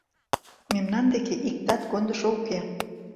Мемнан деке иктат кондышо уке.